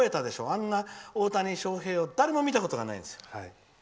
あんな大谷翔平を誰も見たことがないんですよ。